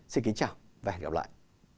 xin kính chào và hẹn gặp lại